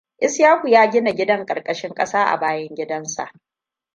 Ishaku ya gina gidan ƙarƙashin ƙasa a bayan gidansa.